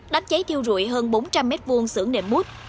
đánh cháy thiêu dụi hơn bốn trăm linh mét vuông xưởng nệm mút